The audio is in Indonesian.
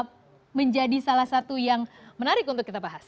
ini menjadi salah satu yang menarik untuk kita bahas